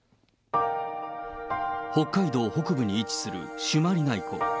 北海道北部に位置する朱鞠内湖。